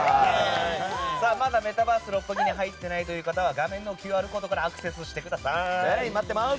まだメタバース六本木に入っていない方は画面のＱＲコードからアクセスしてください。